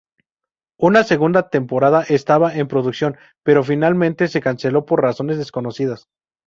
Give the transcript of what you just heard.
Una segunda temporada estaba en producción, pero finalmente se canceló por razones desconocidas.